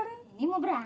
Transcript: itu mau ke mana